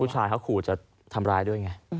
ผู้ชายเขาขู่จะทำร้ายด้วยไง